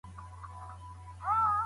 حيران به ياست، چي کوم تصميم ونيسئ؟.